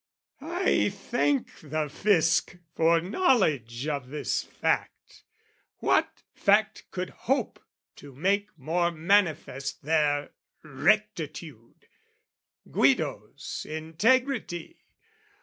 I thank the Fisc for knowledge of this fact: What fact could hope to make more manifest Their rectitude, Guido's integrity?